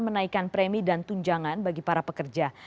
menaikkan premi dan tunjangan bagi para pekerja